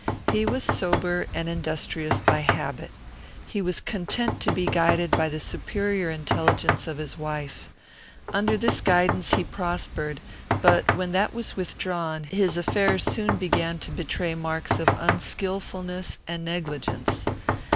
He was sober and industrious by habit. He was content to be guided by the superior intelligence of his wife. Under this guidance he prospered; but, when that was withdrawn, his affairs soon began to betray marks of unskilfulness and negligence.